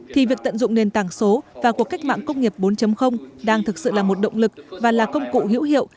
thì việc tận dụng nền tảng số và cuộc cách mạng công nghiệp bốn đang thực sự là một động lực và là công cụ hữu hiệu